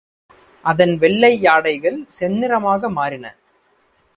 அதன் வெள்ளை யாடைகள் செந்நிறமாக மாறின.